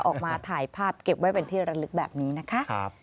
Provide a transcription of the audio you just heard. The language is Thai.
ออกมาถ่ายภาพเก็บไว้เป็นที่ระลึกแบบนี้นะคะ